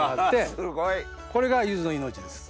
すごい！これがゆずの命です。